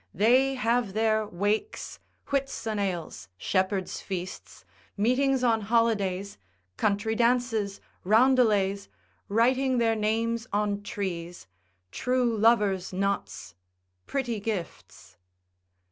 they have their wakes, Whitsun ales, shepherd's feasts, meetings on holidays, country dances, roundelays, writing their names on trees, true lover's knots, pretty gifts.